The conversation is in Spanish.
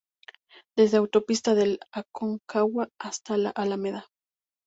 Desde Autopista del Aconcagua hasta Alameda